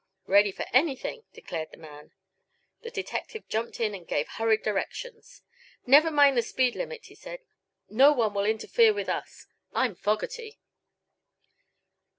"Ready for anything," declared the man. The detective jumped in and gave hurried directions. "Never mind the speed limit," he said. "No one will interfere with us. I'm Fogerty."